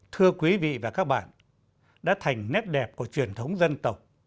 thưa quý vị và các bạn đã thành nét đẹp của truyền thống dân tộc